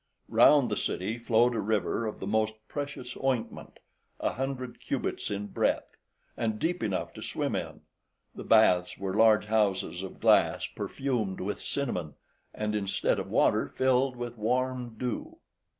Round the city flowed a river of the most precious ointment, a hundred cubits in breadth, and deep enough to swim in; the baths are large houses of glass perfumed with cinnamon, and instead of water filled with warm dew.